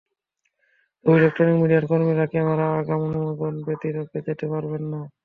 তবে ইলেকট্রনিক মিডিয়ার কর্মীরা ক্যামেরা নিয়ে আগাম অনুমোদন ব্যতিরেকে যেতে পারবেন না।